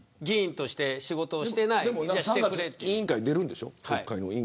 ３月に委員会、出るんでしょ。